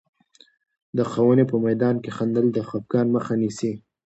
د ښوونې په میدان کې خندل، د خفګان مخه نیسي.